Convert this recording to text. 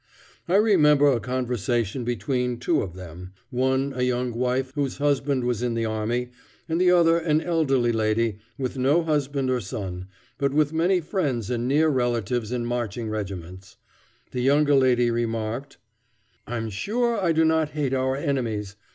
I remember a conversation between two of them, one a young wife whose husband was in the army, and the other an elderly lady, with no husband or son, but with many friends and near relatives in marching regiments. The younger lady remarked, "I'm sure I do not hate our enemies.